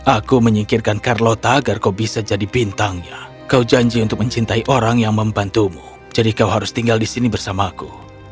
aku menyingkirkan carlota agar kau bisa jadi bintangnya kau janji untuk mencintai orang yang membantumu jadi kau harus tinggal di sini bersamaku